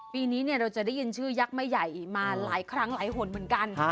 ปีนี้เราจะได้ยินชื่อยักษ์ไม่ใหญ่มาหลายครั้งหลายหนเหมือนกัน